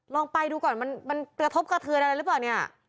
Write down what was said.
ลองไปดูก่อนมันกระทบกระเทือนอะไรหรือเปล่าเนี่ย